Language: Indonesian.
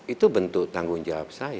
itu bentuk tanggung jawab saya